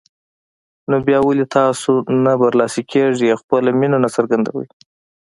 نو بيا ولې تاسو نه برلاسه کېږئ او خپله مينه نه څرګندوئ